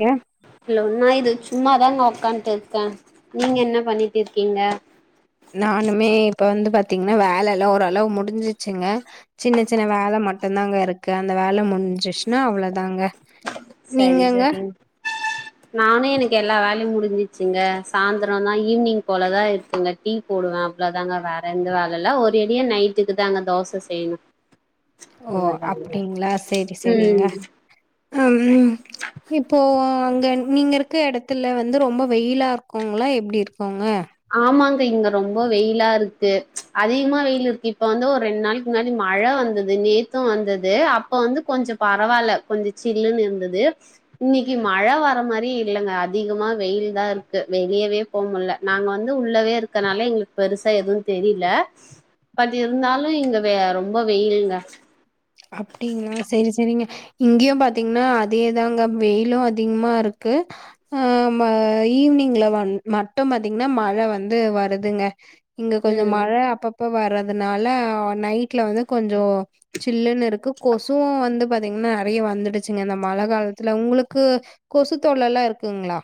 ஏ hello ஏன்னா இது சும்மாதாங்க உக்காண்ட்டு இருக்கே நீங்க என்ன பண்ணிட்டு இருக்கீங்க நானுமே இப்ப வந்து பாத்தீங்கன்னா வேலே எல்லா ஓரளவு முடிஞ்சிச்சிங்க சின்ன சின்ன வேலே மட்டுந்தாங்க இருக்கு அந்த வேலே முடிஞ்சுச்சின்னா அவ்வளோதாங்க சரி சரி நானு எனக்கு எல்லா வேலையு முடிஞ்சிச்சுங்க சாய்ந்திரோ தா ஈவினிங் போலதா இருக்குங்க டீ போடுவ அவ்லோதான்ங்க வேற எந்த வேல இல்ல ஒரே அடியா நைட்டுக்கு தாங்க தோச செய்யணு ஓ அவ்ளதாங்க அப்பிடிங்களா செரி செரிங்க ம் ஆ ம் இப்போ அங்கே நீங்க இரு க்க எடத்துலே வந்து ரொம்ப வெயிலா இருக்கோங்களா எப்பிடி இருக்குங்க ஆமாங்க இங்கே ரொம்ப வெயிலா இருக்கு அதிகமா வெயில் இருக்கு இப்போ வந்து ஒரு ரெண்டு நாள் முன்னாடி மழ வந்தது நேத்து வந்தது அப்போ வந்து கொஞ்சு பரவாயில்ல கொஞ்சோ சில்லுன்னு இருந்தது இன்னிக்கி மழ வர மாரியே இல்லங்க அதிகமா வெயில் தா இருக்கு வெளியவே போ முடியல நாங்க வந்து உள்ளவே இருக்கர்னால எங்களுக்கு பெருசா எதுவு தெரியல பட் இருந்தாலு இங்கே ரொம்போ வெயிலுங்க அப்பிடிங்களா செரி செரிங்கே இங்கயு பாத்தீங்கன்னா அதேதாங்க வெயிலு அதிகமா இருக்கு ஆ மா ஈவினிங்ல வ மட்டு பாத்தீங்கன்னா மழை வந்து வருதுங்க இங்க கொஞ்சு ம் மழ அப்பப்போ வரறதுனால நைட்லே வந்து கொஞ்சு சில்லுன்னு இருக்கு கொசுவு வந்து பாத்தீங்கன்னா நெறைய வந்துடுச்சிங்கே இந்த மழ காலத்துலே உங்களுக்கு கொசு தொல்லல்லா இருக்குங்களா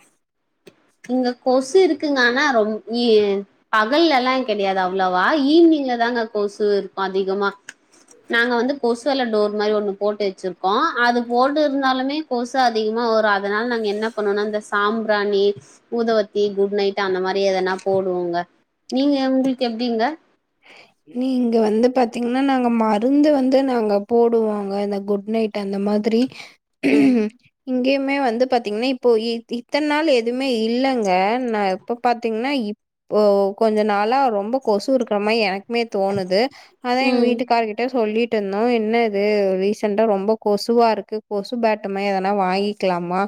இங்க கொசு இருக்குங்க ஆனா ரொம் இ பகல்ல எல்லா கெடையாது அவ்வளவா ஈவினிங்லதாங்க கொசு இருக்கு அதிகமா நாங்க வந்து கொசுவலே டோர் மாரி ஒன்னு போட்டு வச்சிருக்கோ அது போட்டு இருந்தாலுமே கொசு அதிகமாக வரு அதுனால நாங்க என்ன பண்ணோன்னா இந்த சாம்பிராணி ஊதவத்தி குட் நைட் அந்த மாரி எதனா போடுவோங்க நீங்கே உங்களுக்கு எப்படிங்க நீங்க வந்து பாத்தீங்கன்னா நாங்க மருந்து வந்து நாங்க போடுவாங்க இந்த குட் நைட் டு அந்த மாதிரி ம் இங்கேயுமே வந்து பாத்தீங்கன்னா இப்போ இத்தன் நாள் எதுவுமே இல்லங்க நா இப்ப பாத்திங்கின்னா ஓ கொஞ்சோ நாளா ரொம்ப கொசு இருக்கிற மாரி எனக்கு எனக்கு மே தோணுது அதா எங்க ம் வீட்டுக்கார கிட்ட சொல்லி ருந்தோ என்ன இது ரீசென்டா ரொம்ப கொசுவா இருக்கு கொசு பேட்டமே எதனா வாங்கிக்குலாமா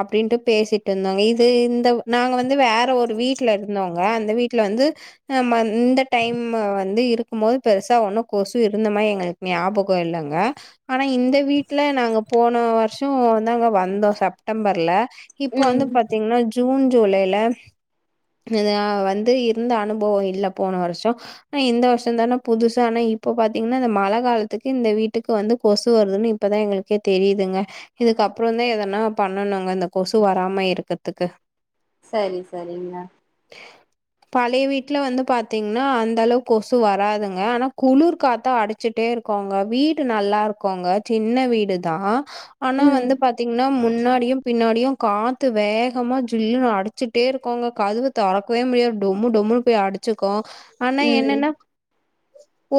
அப்பிடின்ட்டு பேசிட்டு இருந்தோங்க இது இந்த நாங்க வந்து வேற ஒரு வீட்டுல இருந்தோங்க அந்த வீட்டுல வந்து ஆமாம் இந்த டைம் வந்து இருக்கும்மோத் பெருசா ஒன்னு கொசு இருந்த மாரி எங்களுக் ஞாபகோ இல்லங்க ஆனா இந்த வீட்ல நாங்க போன வருஷோ தாங்க வந்தோ செப்டம்பர்ல இப்போ ம் வந்து பாத்தீங்ன்னா ஜூன் ஜூலைல நா வந்து இருந்த அனுபவோ இல்ல போன வருஷோ ஆ இந்தே வருஷந்தான புதுசு ஆனா இப்போ பாத்தீங்ன்னா இந்த மழ காலத்துக்கு இந்த வீட்டுக் வந்து கொசு வருதுனு இப்பதா எங்களுக்கே தெரியுதுங்கே இதுக்கப்புறந்தா எதனா பண்ணனுங்க இந்த கொசு வராம இருக்கற்துக்கு சரி சரிங்க பழைய வீட்ல வந்து பாத்தீங்ன்னா அந்தளவுக் கொசு வராதுங்க ஆனா குளுர் காத்தா அடிச்சுட்டே இருக்கோங்க வீடு நல்லாருக்கோங்க சின்ன வீடுதா ஆனா ம் வந்து பாத்தீங்ன்னா முன்னாடியு பின்னாடியு காத்து வேகமா ஜில்லுனு அடிச்சிட்டே இருக்கோங்க கதுவு தொறக்கவே முடியாது டொம்மு டொம்முனு போய் அடி ச்சிக்கு ஆனா ம் என்னன்னா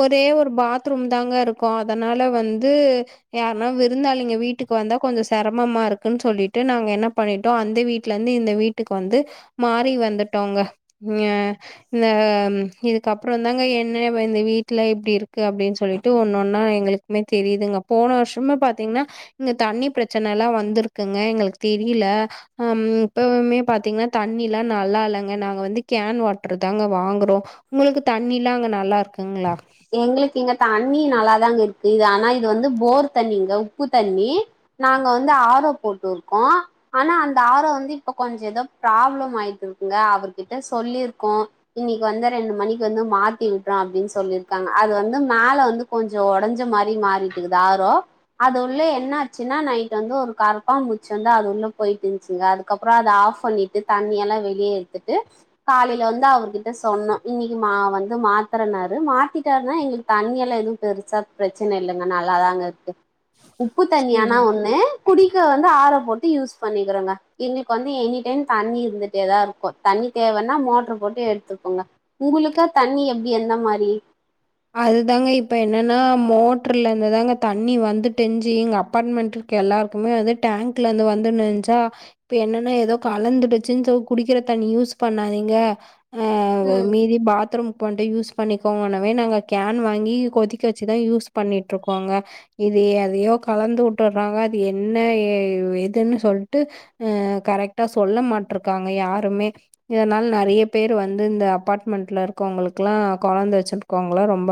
ஒரே ஒரு பாத்ரூம்தாங்க இருக்கு அதனால வந்து யார்ன்னா விருந்தாளிங்க வீட்டுக் வந்தா கொஞ்சோ செரமமா இருக்குன் சொல்லிட்டு நாங்க என்ன பண்ணிட்டோ அந்த வீ ட்லெந்து இந்த வீட்டுக் வந்து மாறி வந்துட்டோங்க அ இந்த இதுக்கப் புறோந்தாங்க என்ன வ இந்த வீட்ல எபடி இருக்கு அப்டின் சொல்லிட்டு ஒன்னொன்னா எங்களுக்குமே தெரிதுங்க போன வருஷமாே பாத்தீங்ன்னா இங்க தண்ணி ப்ரெச்சனல்லா வந்துருக்குங்க எங்களுக்கு தெரியில அம் இப்பவுமே பாத்தீங்ன்னா தண்ணிலா நல்லா இல்லங்க நாங்க வந்து கேன் வாட்ருதாங்க வாங்குறோ உங்களுக்கு தண்ணிலா அங்க நல்லா இருக்குங்களா எங்களுக்கு இங்க தண்ணி நல்லாதாங்க இருக்கு இது ஆனா இது வந்து போர் தண்ணிங்க உப்பு தண்ணி நாங்க வந்து ஆரோ போட்டு இருக்கோ ஆனா அந்த ஆரோ வந்து இப்ப கொஞ்சோ எதோ ப்ராப்ளம் ஆயிட்டுருக்குங்க அவர்கிட்ட சொல்லிருக்கோ இன்னிக்கு வந்து ரெண்டு மணிக்கு வந்து மாத்தி விட்றே அப்டின் சொல்லிரு காங்க அது வந்து மேல வந்து கொஞ்சோ ஒடஞ்ச மாரி மாறிட்டுக்கிது ஆரோ அது உள்ள என்ன ஆச்சுன்னா நைட் வந்து ஒரு கருப்பாமூச்சு வந்து அது உள்ள போயிட்டு இந்ச்சுங்க அதுக் கப்புறோ அத ஆஃப் பண்ணிட்டு தண்ணியெல்லா வெளிய எத்துட்டு காலில வந்து அவருகிட்ட சொன்னோ இன்னிக்கு மா வந்து மாத்தறனாரு மாத்தி ட்டார்னா எங்களுக்கு தண்ணியெல்லா எதுவு பெருசா ப்ரெச்சன இல்லங்க நல்லாதாங்க இருக்கு உப்பு தண்ணி ஆனா சரி. ஒண்ணு குடிக்க வந்து ஆரோ போட்டு யூஸ் பண்ணிக்கறோங்க எங்ளுக்கு வந்து எனி டைம் தண்ணி இருந்துட்டேதா இருக்கு தண்ணி தேவன்னா மோட்ரு போட்டு எட்த்துப்போங்க உங்களுக்க தண்ணி எப்டி எந்த மாரி அதுதாங்க இப்ப என்னன்னா மோட்ருல இந்துதாங்க தண்ணி வந்துட்டுஞ்சு எங்க அப்பாட்மெண்ட்லிக் கே எல்லாருக்குமே வந்து டேங்க்லெந்து வந்துனிச்சா இப்ப என்னன்னா எதோ கலந்துடுச்சுன் சோ குடிக்கிற தண்ணி யூஸ் பண்ணாதீங்க அ வ ம் மீதி பாத்ரூம் போண்ட்டு யூஸ் பண்ணிக்கோங்கனவே நாங்க கேன் வாங்கி கொதிக்க வெச்சுதா யூஸ் பண்ணிட்ருக்கோங்க இது எதையோ கலந்து வுட்டுற்றாங்க அது என்ன எ எதுன்னு சொல்ட்டு அ கரெக்டா சொல்ல மாட்ருக்காங்க யாருமே இதனால் நெறைய பேரு வந்து இந்த அப்பாட்மெண்ட்ல இருக்கவங்களுக்குலா கொழந்த வெச்சிருக்கோங்க ங்களா ரொம்ப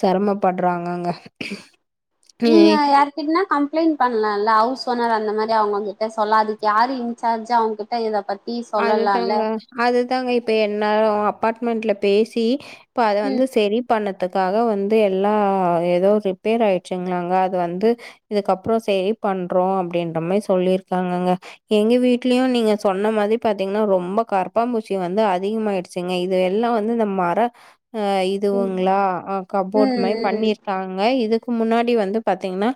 செரமப்பட்றாங்கங்க [unintelligible] சின்ன கம்ப்ளைண் பண்ணலால ஹவுஸ்ஓனர் அந்த மாரி அவுங்ககிட்ட சொல்லா அதுக்கு யாரு இன்சார்ஜு அவுங்ககி ட்ட இத பத்தி சொல்லலாம்ல அதுதாங்க அதுதாங்க இப்ப என்னாரு அப்பாட்மெண்ட்ல பேசி இப்ப அத ம் வந்து செரி பண்ணதுக்காக வந்து எல்லா எதோ ரிப்பேர் ஆயிச்சுங்ளாங்க அது வந்து இதுக்கப்றோ சேரி பண்றோ அப்டின்ற மாரி சொல்லியிருக்காங்கங்க எங்க வீட்லயு நீங்க சொன்ன மாரி பாத்தீங்ன்னா ரொம்ப கருப்பாம்பூச்சி வந்து அதிகமாய்டுச்சுங்க இது எல்லா வந்து இந்த மர அ ம் இதுவுங்ளா அ கப்போட் மாரி ம் பண்ணிருக்காங் க இதுக்கு முன்னாடி வந்து பாத்தீங்ன்னா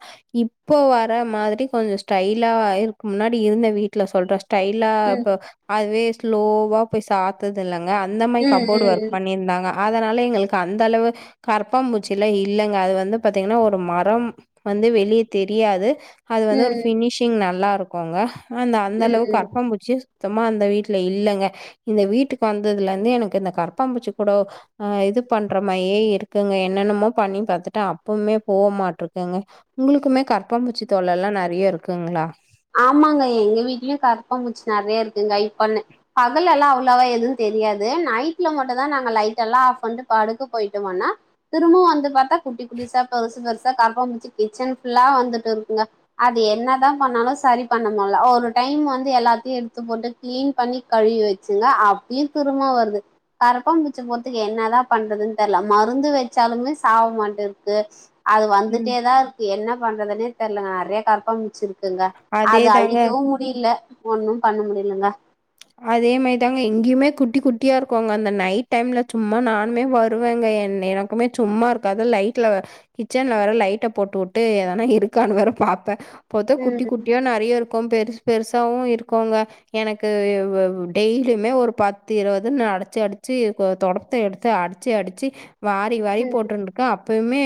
இப்போ வர மாத்ரி கொஞ்ச ஸ்டைலா இருக்கு முன்னாடி இருந்த வீட்ல சொல்ற ஸ்டைலா ம் ம் இப்ப அதுவே ஸ்லோவா போய் சா த்துதுல்லங்க அந்த மாரி கப்போட் ஒர்க் ம் பண்ணியிருந்தாங்க அதனால எங்களுக்கு அந்தளவு கரப்பாம்பூச்சி எல்லா இல்லங்க அது வந்து பாத்தீங்கன்னா ஒரு மரம் வந்து வெளிய தெரியாது அது ம் வந்து ஒரு ம் ஃபினிஷிங் நல்லா இருக்குங்க அந்த அந்தளவுக்கு ம் கரப்பாம்பூச்சி சுத்தமா அந்த வீட்ல இல்லங்க இந்த வீட்டுக்கு வந்ததுல இருந்து எனக்கு இந்த கரப்பாம்பூச்சி கூட அ இது பண்ற மாயே இருக்குங்க என்னென்னமோ பண்ணி பாத்துட்டே அப்பவுமே போ மாட்ருக்குங்க உங்களுக்குமே கரப்பாம் பூச்சி தொல்ல எல்லா நறையா இருக்குங்ளா ஆமாங்க எங்க வீட்லயு கரப்பா பூச்சு நெறைய இருக்குங்க இப்பன்னு பகல் எல்லா அவ்ளவா எது தெரியாது நைட்ல மட்டுதா நாங்க லைட் எல்லா ஆஃப் பண்ட்டு படுக்க போய்ட்டமனா திரும்பவு வந்து பாத்தா குட்டி புதுசா பெருசு பெருசா கரப்பாபூச்சி கிச்சன் ஃபுல்லா வந்துட்டு இருக்குங்க அது என்னதா பண்ணாலு சரி பண்ண முல்ல ஒரு டைம் வந்து எல்லாத்தையு எடுத்து போட்டு க்ளீன் பண்ணி கழுவி வெச்சுங்க அப் பயி திரும்ப வருது கரப்பாம் பூச்சிய போற்துக்கு என்னதா பண்றதுன் தெர்ல மருந்து வெச்சாலுமே சாவ மாட்டேன்து அது ம். வந்துட்டே தா இருக்கு என்ன பண்றதுனே தெரில நெறைய கரப்பாம் பூச்சி இருக்குங்க அது அதேதாங்க அழிக்கவு முடில ஒன்னு பண்ண முடிலங்க அதே மாதிதாங்க இங்கய்மே குட்டி குட்டியா இருக்குங்க அந்த நைட் டைம்ல சும்மா நானுமே வ ருவேங்க என் எனக்குமே சும்மா இருக்காது லைட்ல கிச்சன்ல வேற லைட்ட போட்டு உட்டு எதனா இருக்கான்னு வேற பாப்பே பாத்த குட்டி ம் குட்டியா நெறைய இருக்கு பெருசு பெருசாவு இருக்குங்க எனக்கு வவ் டெய்லியுமே ஒரு பத்து இருவதுன்னு அடிச்சி அடிச்சி அ தொடப்பத்த எடுத்து அடிச்சி அடிச்சி வாரி வாரி ம் போட்ருன்டு க்கா அப்பவ்மே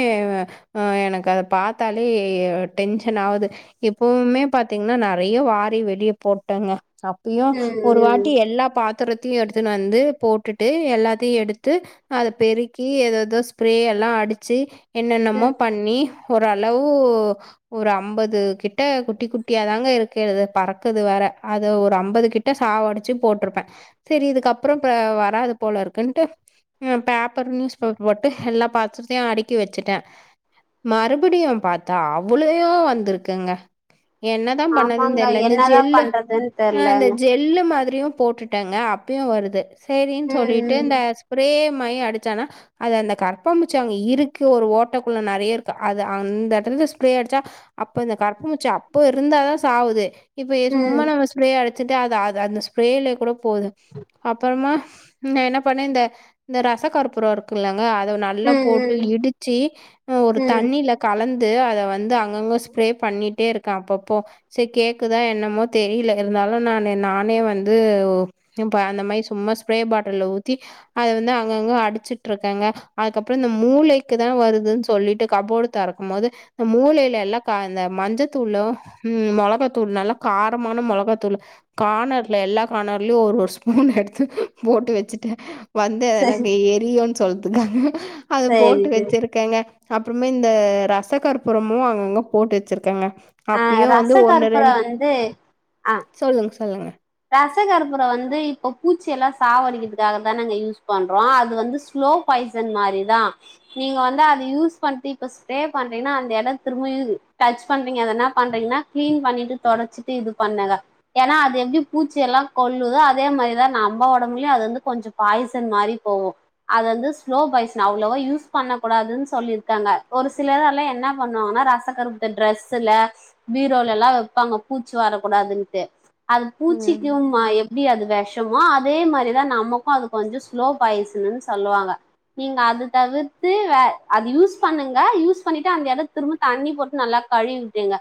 அ எனக்கு அத பாத்தாலே டென்ஷன் ஆவுது எப்பவுமே பாத்தீங்கன்னா நெறைய வாரி வெளிய போட்டங்க அப்பயு ம் ஒரு ம் வாட்டி எல்லா பாத்திரத்தையு எடுத்துனு வந்து போட்டுட்டு எல்லாத்தையு எடுத்து அத பெருக்கி எத எதோ ஸ்ப்ரே எல்லா அடிச்சி என்னென்னமோ ம் பண்ணி ஒரு அளவு ஒரு அம்பது கிட்ட குட்டி குட்டியாதாங்க இருக்கிறது பறக்குது வேற அத ஒரு அம்பது கிட் ட சாவடிச்சி போட்ருப்பே செரி இதுக்கப்றோ இப்ப வராது போல இருக்குன்ட்டு அ பேப்பர் நியூஸ் பேப்பர் போட்டு எல்லா பாத்திரத்தையு அடுக்கி வெச்சுட்டே மறுபடியு பாத்தா அவ்ளயோ வந்துருக்குங்க என்னதா பண்ணதுன்னு ஆமாங்க தெர்ல இந்த என்னதான் ஜெல்லு பண்றதுன்னு அ இந்த தெரியலங்க ஜெல்லு மாதிரியு போட்டுட்டங்க அப்பயு வருது சேரின் சொல்லீட்டு ம் இந்த ஸ்ப்ரே மாரி அடிச்சானா அது அந்த கரப்பாம்பூச்சி அங்க இருக்கு ஒரு ஓட்டக்குள்ள நெறைய இருக்கு அது அந்த எடத்துல ஸ்ப்ரே அடிச்சா அப்ப இந்த கரப்பாம் பூச்சி அப்ப இருந்தாதா சாவுது இப்ப எ சும்மா ம் நம்ம ஸ்ப்ரே அடிச்சுட்டு அது அ அந்த ஸ்ப்ரேயலயே கூட போது அப்பறமா ந என்ன பண்ணே இந்த ரச கருபுரம் இருக்கு இல்லங்க அதனால ம் நல்லா போட்டு ம் ம் இடிச்சி ஒரு ம் தண்ணில கலந்து அத வந்து அங்கங்க ஸ்ப்ரே பண்ணிட்டே இருக்கே அப்பப்போ சே கேக்குதா என்னமோ தெரில இருந்தாலு ன்னு நானே நானே வந்து இப்ப அந்த மாதி சும்மா ஸ்ப்ரே பாட்டில ஊத்தி அத வந்து அங்கங்க அடிச்சிட் இருக்கங்க அதுக்கப்பறோ இந்த மூலைக்கு தா வருதுன் சொல்லிட்டு கபோடு தெறக்கும் போது இந்த மூலையில எல்லா இந்த மஞ்சத்தூளு ம் மொளகாத்தூள் நல்லா காரமான மொளகாத்தூள் கணர்ல எல்லா கணர்லயு ஒரு ஒரு ஸ்பூன் எடுத்து போட்டு வச்சுட்டே வந்து அத சரி எனக்கு எரியும்ன்னு சொல்துக்காங்க அத சரி போட்டு வச்சிருக்கேங்க அப்புறமே இந்த ரச கற்புரமு அங்கங்க போட்டு வச்சிருக்கேங்க அப்பயு வந்து ஒன்னு ரெண்டு இது அ சொல்லுங்க சொல்லுங்க ரச கற்பூர வந்து இப்ப பூச்சி எல்லா சாவடிக்கிறதுக்காக தானங்க யூஸ் பண்றோ அது வந்து ஸ்லோ பாய்சன் மாரி தா நீங்க வந்து அத யூஸ் பண்ணிட்டு இப்ப ஸ்ட்ரே பண்றீங்கன்னா அந்த இடம் திரும்ப டச் பண்றீங்க அத என்ன பண்றீங்கன்னா கிளீன் பண்ணிட்டு தொடச்சிட்டு இது பண்ணுங்க ஏன்னா அது எப்டி பூச்சி எல்லா கொல்லுதோ அதே மாதிரிதா நம்ம ஒடம்புலயு அது வந்து கொஞ்சோ பாய்சன் மாதிரி போவு அது வந்து ஸ்லோ பாய்சன் அவ்ளவா யூஸ் பண்ணக்கூடாதுன்னு சொல்லிருக்காங்க ஒரு சிலரெல்லா என்ன பண்ணுவாங்கனா ரச ரத்தகருப்பு இந்த டிரெஸ்சுல பீரோலல்லா வைப்பாங்க பூச்சி வரக்கூடாதுன்ட்டு அ ம் பூச்சிக்கும்மா எப் படி அது வெஷமோ அதே மாதிரிதா நமக்கு அது கொஞ்சோ ஸ்லோ பாய்சணுனு சொல்லுவாங்க நீங்க அது தவிர்த்து வே அது யூஸ் பண்ணுங்க யூஸ் பண்ணிட்டு அந்த இடம் திரும்ப தண்ணி போட்டு நல்லா கழுவிவிட்டுங்க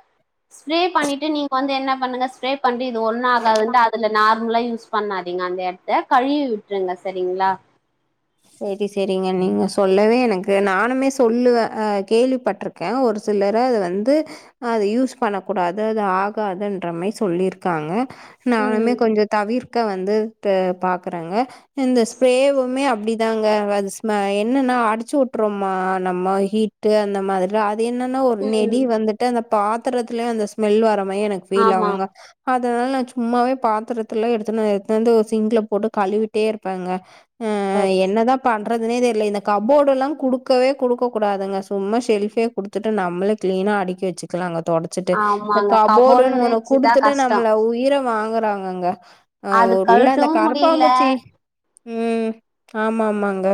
ஸ்ப்ரே பண்ணிட்டு நீங்க வந்து என்ன பண்ணுங்க ஸ்ப்ரே பண்ணிட்டு இது ஒன்னாக் அதுவந்து அதுல நார்மலா யூஸ் பண்ணாதீங்க அந்த இடத்த கழுவி விட்டுருங்க செரிங்களா செரி செரிங்க நீங்க சொல்லவே எனக்கு நானுமே சொல்லுவே ஆ கேள்விப்பட்டிருக் கேன் ஒரு சிலரு அது வந்து அது யூஸ் பண்ண கூடாது அது ஆகாதுன்றமாரி சொல்லியிருக்காங்க நானுமே ம் கொஞ்ச தவிர்க்க வந்து ப பாக்குறேங்க இந்த ஸ்ப்ரேவுமே அப்டி தாங்க அது ஸ்ம என்னன்னா அடைச்சு விட்டுறோமா நம்ம ஹீட்டு அந்த மாதிரி ற அது என்னன்னா ஒரு நெடி ம் வந்துட்டு அந்த பாத்திரத்துலயு அந்த ஸ்மெல் வர மாதிரி எனக்கு ஃபீல் ஆமா ஆகுங்க அதனால நா சும்மாவே பாத்திரத்துல எடுத்துனு எடுத்துந்து ஒரு சிங்க்ல போட்டு கழுவிட்டே இருப்பேங்க செரி என்ன பண்றதுனே தெரியல இந்த கபோர்டுலா குடுக்கவே குடுக்க கூடாதுங்க சும்மா செல்ஃபே குடுத்துட்டு நம்மளே கிளீனா அடுக்கி வச்சுக்கலாங்க தொட ச்சுட்டு இந்த ஆமாங்க கபோர்டுன்னு ஒன்ன வச்சுதா குடுத்துட்டு கஷ்டோ நம்மள உயிர வாங்குறாங்கங்க அ அது ஒ இல்ல அந்த கழட்டவு கரப்பா முடில பூச்சி ம் ஆமா ஆமாங்க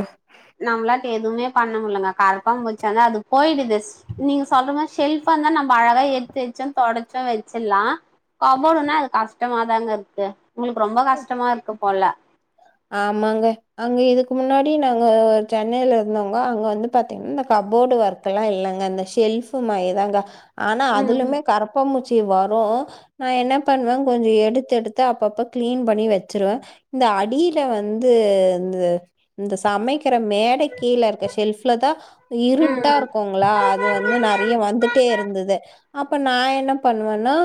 நம்மளாட்ட எதுவுமே பண்ண முடியலைங்க கரப்பான் பூச்சி ஆனா அது போயிடுது நீங்க சொல்லுங்க ஷெல்ஃப இருந்தா நம்ம அழகா எடுத்து வச்சோ தொடச்சோ வச்சிடலா கபோடுனா அது கஷ்டமாதாங்க இருக்கு உங்களுக்கு ரொம்ப கஷ்டமா இருக்கு போல ஆமாங்க அங்கே இதுக்கு முன்னாடி நாங்க சென்னையில இருந்தவங்க அங்கே வந்து பாத்தீங்கன்னா இந்த கபோர்டு ஒர்க் குல்லா இல்லங்க இந்த ஷெல்ஃப் மாயிதாங்க ஆன்னா ம் அதுலமே கருப்பாமூச்சி வரூ நான் என்ன பண்வ கொஞ்சொ எடுத் எடுத்து அப்பப்ப கிளீன் பண்ணி வச்சிருவ இந்த அடி ல வந்து இந்த இந்த சமைக்கிற மேடைக் கீழ இருக்க ஷெல்ஃப்லதா இருட்டா ம் இருக்குங்களா அது வந்து நெறைய வந்துட்டே இருந்துது அப்ப நா என்ன பண்ணுவன்னா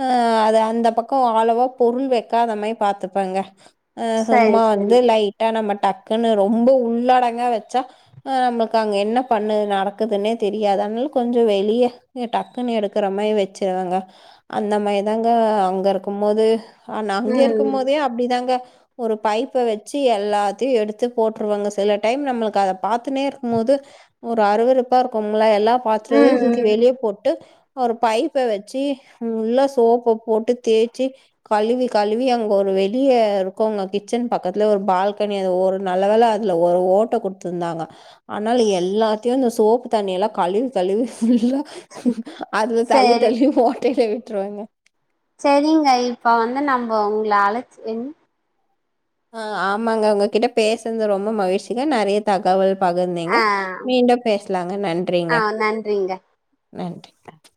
அ அது அந்த பக்கொ அளவா பொருள் வெக்காத மாயி பாத்துப்பங்க சரி சும்மா சரி வந்து லைட்டா நம்ம டக்குன்னு ரொம்ப உள்ளடங்கா வச்சா அ நம்மளுக்கு அங்க என்ன பண்ணு நடக்குதுன்னே தெரியாது அத்னால கொஞ்சொ வெளிய இய டக்குன்னு எடுக்குற மாரி வச்சிருவங்க அந்த மாயிதாங்க அங்க இருக்கும்மோது அ நா ம் அங்கெருக்குமோதே அப்டிதாங்க ஒரு பைப்ப வெச்சு எல்லாத்தியு எடுத்து போட்டுருவங்க சில டைம் நம்மளுக்க அதை பாத்துனேருக்கும்மோது ஒரு அறுவெறுப்பா இருக்குங்கள எல்லா பாத்துறத ம் தூக்கி ம் வெளியபோட்டு ஒரு பைப்ப வச்சு உள்ள சோப்பு போட்டு தேச்சு கழுவி கழுவி அங்க ஒரு வெளிய இருக் கொங்க கிச்சன் பக்கத்ல ஒரு பால்கனி அது ஒரு நல்லவேல அதுல ஒரு ஓட்ட குத்துர்ந்தாங்க ஆனால் எல்லாத்தியு இந்த சோப்பு தண்ணியெல்லா கழுவி கழுவி ஃபுல்லா அதுல தள்ளி சரி தள்ளி ஓட்டையில விட்ருவங்க செரிங்க இப்ப வந்து நம்ப உங்ள அழச்சிங் அ ஆம்மாங்க உங்ககிட்ட பேசன்து ரொம்ப மகிழ்ச்சிங்க நறைய தகவல் பகிர்ந்தீங்க ஆ மீண்டும் பேஸ்லாங்க ஆ நன்றிங்க நன்றிங்க நன்றிங்க